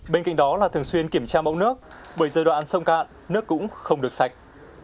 bên cạnh đó là thường xuyên kiểm tra mẫu nước bởi giai đoạn sông cạn nước cũng không được sạch